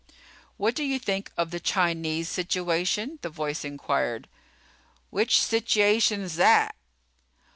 "What do you think of the Chinese situation?" the voice inquired. "Which situation's 'at?"